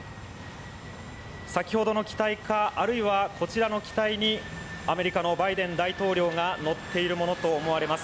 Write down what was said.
先ほどの機体か、あるいはこちらの機体にアメリカのバイデン大統領が乗っているものとみられます。